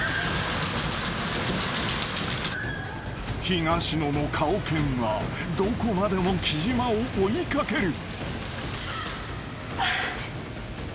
［東野の顔犬はどこまでも貴島を追い掛ける］